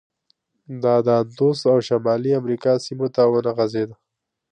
دا د اندوس او شمالي امریکا سیمو ته ونه غځېد.